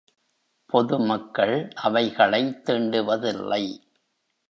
பொது மக்கள் அவைகளைத் தீண்டுவதில்லை.